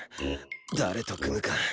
誰と組むか。